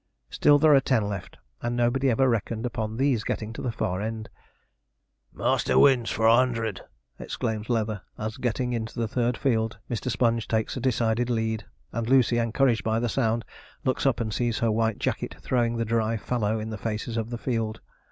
Still there are ten left, and nobody ever reckoned upon these getting to the far end. 'Master wins, for a 'undr'd!' exclaims Leather, as, getting into the third field, Mr. Sponge takes a decided lead; and Lucy, encouraged by the sound, looks up, and sees her 'white jacket' throwing the dry fallow in the faces of the field.